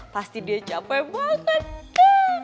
pasti dia capek banget